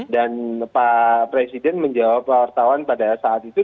pak presiden menjawab wartawan pada saat itu